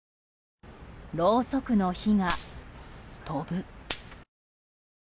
ろうそくの火が飛ぶ。